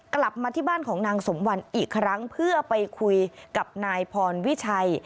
กลับมาที่บ้านของนางสมวันอีกครั้งเพื่อไปคุยกับนายพรวิชัย